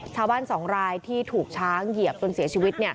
สองรายที่ถูกช้างเหยียบจนเสียชีวิต